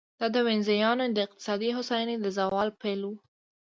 دا د وینزیانو د اقتصادي هوساینې د زوال پیل و.